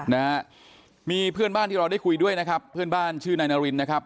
นะฮะมีเพื่อนบ้านที่เราได้คุยด้วยนะครับเพื่อนบ้านชื่อนายนารินนะครับ